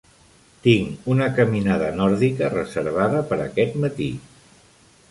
Tinc una caminada nòrdica reservada per a aquest matí.